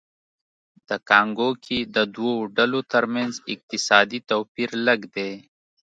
د کانګو کې د دوو ډلو ترمنځ اقتصادي توپیر لږ دی